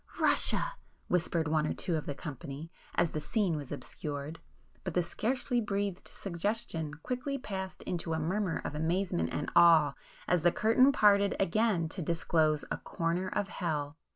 "Russia!" whispered one or two of the company, as the scene was obscured; but the scarcely breathed suggestion quickly passed into a murmur of amazement and awe as the curtain parted again to disclose "A Corner of Hell."